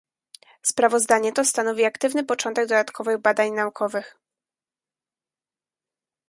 Sprawozdanie to stanowi aktywny początek dodatkowych badań naukowych